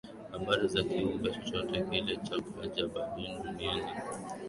habari za kiumbe chochote kile Cha ajabuduniani Kuna viumbe vingi Sana vya kutisha